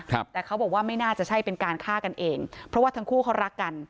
ครับแต่เขาบอกว่าไม่น่าจะใช่เป็นการฆ่ากันเองเพราะว่าทั้งคู่เขารักกัน